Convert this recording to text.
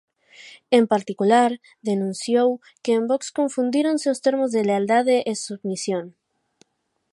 En particular, denunciou que en Vox confundíronse os termos de "lealdade" e "submisión".